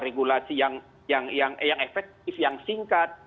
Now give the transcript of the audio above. regulasi yang efektif yang singkat